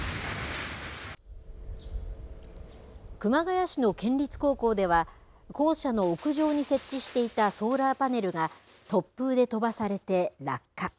熊谷市の県立高校では校舎の屋上に設置していたソーラーパネルが突風で飛ばされて落下。